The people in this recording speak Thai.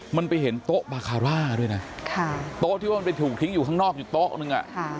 มันไปเห็นโต๊ะบาคาร่าด้วยนะโต๊ะที่ว่ามันไปถูกทิ้งอยู่ข้างนอกอยู่โต๊ะนึง